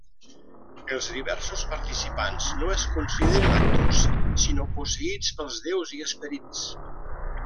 Els diversos participants no es consideren actors, sinó posseïts pels déus i esperits.